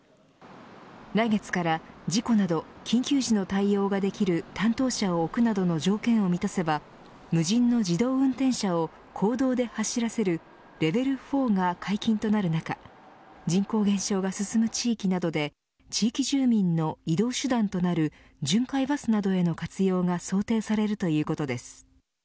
来月から事故など緊急時の対応ができる担当者を置くなどの条件を満たせば無人の自動運転車を公道で走らせるレベル４が解禁となる中人口減少が進む地域などで地域住民の移動手段となる巡回バスなどへの活用が想定されるということです。